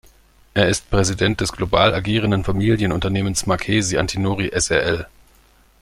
Er ist Präsident des global agierenden Familienunternehmens "Marchesi Antinori Srl".